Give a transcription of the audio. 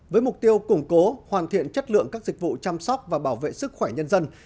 với mục tiêu củng cố hoàn thiện chất lượng các dịch vụ chăm sóc và bảo vệ sức khỏe nhân dân